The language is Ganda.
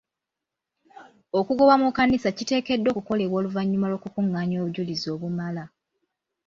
Okugobwa mu kkanisa kiteekeddwa okukolebwa oluvannyuma lw'okukungaanya obujulizi obumala.